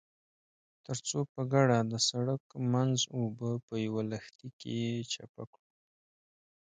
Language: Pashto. ترڅو په ګډه د سړک منځ اوبه په يوه لښتي کې چپه کړو.